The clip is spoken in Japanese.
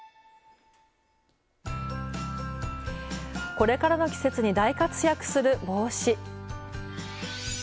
これからの季節に大活躍する帽子。